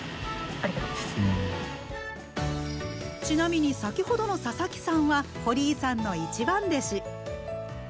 ちなみに先ほどの佐々木さんは堀井さんの一番弟子。